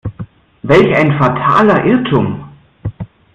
Welch ein fataler Irrtum!